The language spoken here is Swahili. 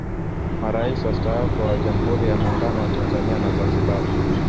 Marais wastaafu wa Jamhuri ya Muungano wa Tanzania na Zanzibar